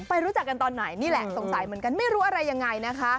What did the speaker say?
รู้จักกันตอนไหนนี่แหละสงสัยเหมือนกันไม่รู้อะไรยังไงนะคะ